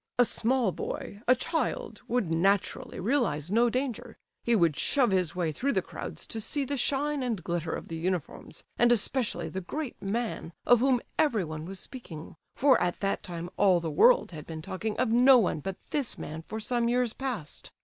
"A small boy, a child, would naturally realize no danger; he would shove his way through the crowds to see the shine and glitter of the uniforms, and especially the great man of whom everyone was speaking, for at that time all the world had been talking of no one but this man for some years past.